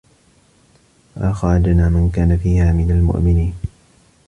فَأَخرَجنا مَن كانَ فيها مِنَ المُؤمِنينَ